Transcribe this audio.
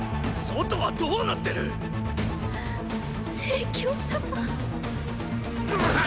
外はどうなってる⁉成様。